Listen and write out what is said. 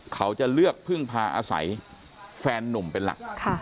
เขาจะเลือกพึ่งพาอาศัยแฟนนุ่มเป็นหลัก